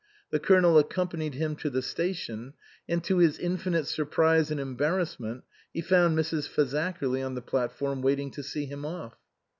The Colonel ac companied him to the station ; and, to his infinite surprise and embarrassment, he found Mrs. Fazakerly on the platform waiting to see him off.